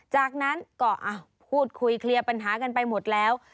จากนั้นก็พูดคุยเคลียร์ปัญหากันไปหมดแล้ว